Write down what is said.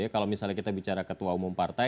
kalau misalnya kita bicara ketua umum partai